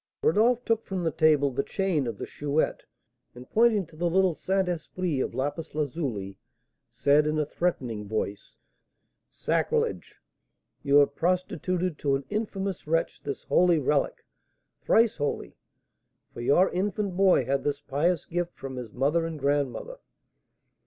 Rodolph took from the table the chain of the Chouette, and pointing to the little Saint Esprit of lapis lazuli said, in a threatening voice: "Sacrilege! You have prostituted to an infamous wretch this holy relic, thrice holy, for your infant boy had this pious gift from his mother and grandmother!"